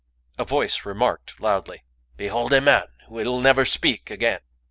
A voice remarked loudly, "Behold a man who will never speak again."